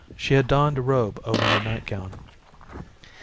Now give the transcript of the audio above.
She had donned a robe over her nightgown.